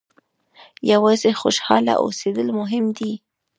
یوازې خوشاله اوسېدل مهم دي.